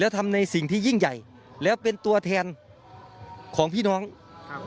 ทำในสิ่งที่ยิ่งใหญ่แล้วเป็นตัวแทนของพี่น้องครับ